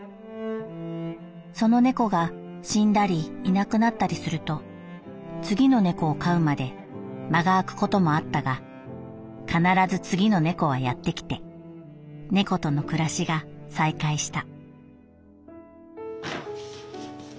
その猫が死んだりいなくなったりすると次の猫を飼うまで間が空くこともあったが必ず次の猫はやってきて猫との暮らしが再開した」。